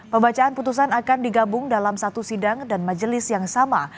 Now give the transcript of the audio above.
pembacaan putusan akan digabung dalam satu sidang dan majelis yang sama